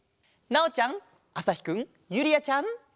なおちゃんあさひくんゆりあちゃん。